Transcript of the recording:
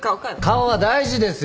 顔は大事ですよ。